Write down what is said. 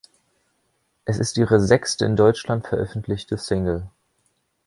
Es ist ihre sechste in Deutschland veröffentlichte Single.